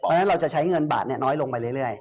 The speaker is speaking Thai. เพราะฉะนั้นเราจะใช้เงินบาทน้อยลงไปเรื่อย